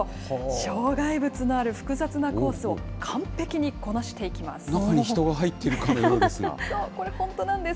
障害物のある複雑なコースを、完璧にこなしていきます。